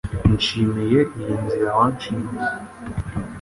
Nshimiye iyi nzira wanshimye